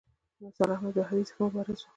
نثار احمد بهاوي ښه مبارز و.